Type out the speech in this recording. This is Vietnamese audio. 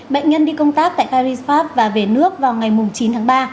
bệnh nhân đi công tác tại paris pháp và về nước vào ngày chín tháng ba